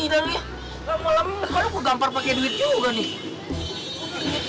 malam malam ini kok lo kegampar pake duit juga nih